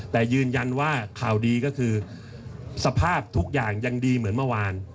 แต่ยืนยันว่าข่าวดีก็คือสภาพทุกอย่างยังดีเหมือนเมื่อวาน